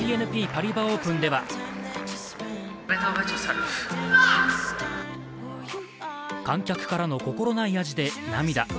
ＢＮＰパリバ・オープンでは観客からの心ないやじで涙。